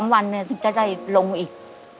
๒๓วันต้องได้ลงอีก